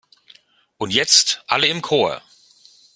Und jetzt alle im Chor!